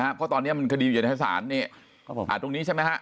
นะฮะเพราะตอนเนี้ยมันคดีอยู่ในศาลนี่ครับผมอ่าตรงนี้ใช่ไหมฮะ